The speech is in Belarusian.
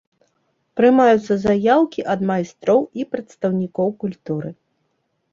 Прымаюцца заяўкі ад майстроў і прадстаўнікоў культуры.